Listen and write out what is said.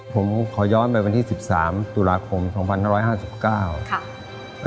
ผมขอย้อนไปวันที่๑๓ตุลาคม๒๕๕๙